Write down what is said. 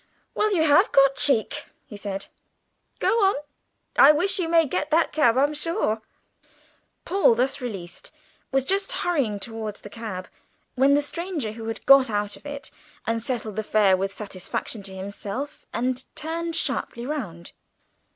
"Well, you have got cheek!" he said. "Go on, I wish you may get that cab, I'm sure!" Paul, thus released, was just hurrying towards the cab, when the stranger who had got out of it settled the fare with satisfaction to himself and turned sharply round.